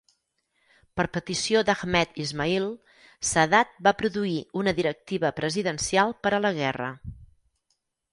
Per petició d'Ahmed Ismail, Sadat va produir una directiva presidencial per a la guerra.